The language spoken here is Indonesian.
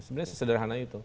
sebenarnya sesederhana itu